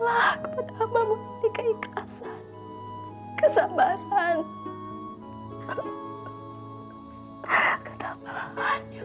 bapak bapak tidur sama sama tante ernie ya bapak jahat aku benci bapak kamu nggak boleh